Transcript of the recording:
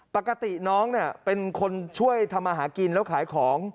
ปกติน้องเนี่ยเป็นคนช่วยทำอาหารกินแล้วขายของ